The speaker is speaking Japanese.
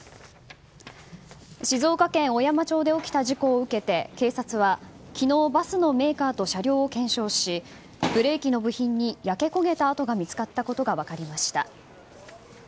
静岡県小山町で起きた事故を受けて、警察は昨日、バスのメーカーと車両を検証しブレーキの部品に焼け焦げた跡が見つかったことが分かりました。